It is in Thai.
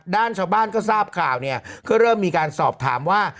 ด้านชาวบ้านก็ทราบข่าวเนี่ยก็เริ่มมีการสอบถามว่า